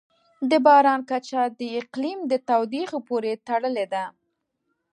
د باران کچه د اقلیم د تودوخې پورې تړلې ده.